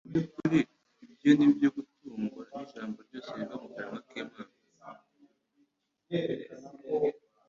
Mu by'ukuri ibyo ni byo « gutungwa n'ijambo ryose riva mu kariwa k'Imana. »